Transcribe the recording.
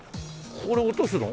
これ落とすの？